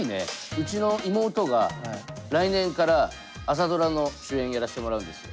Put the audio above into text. うちの妹が来年から朝ドラの主演やらせてもらうんですよ。